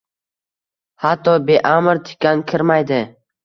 Hatto beamr tikan kirmaydi.